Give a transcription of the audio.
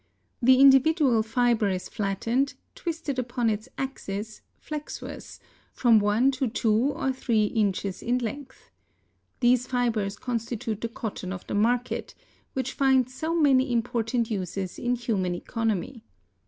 The individual fiber is flattened, twisted upon its axis, flexuous, from one to two or three inches in length. These fibers constitute the cotton of the market, which finds so many important uses in human economy.